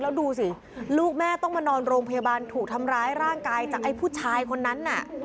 แล้วดูสิลูกแม่ต้องมานอนโรงพยาบาลถูกทำร้ายร่างกายจากไอ้ผู้ชายคนนั้นน่ะ